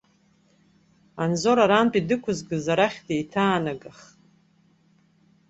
Анзор арантәи дықәызгаз арахь деиҭаанагахт.